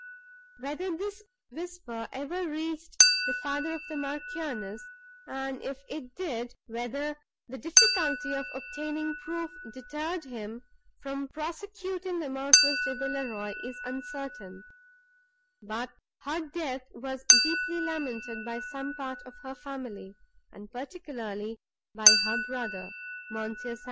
Whether this whisper ever reached the father of the Marchioness, and, if it did, whether the difficulty of obtaining proof deterred him from prosecuting the Marquis de Villeroi, is uncertain; but her death was deeply lamented by some part of her family, and particularly by her brother, M. St.